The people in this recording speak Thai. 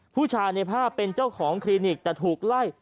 ผู้ชายในภาพเป็นเจ้าของคลินิกแต่ถูกไล่